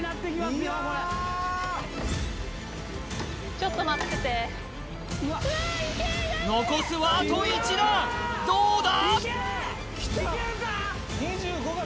ちょっと待ってて残すはあと１段どうだ！？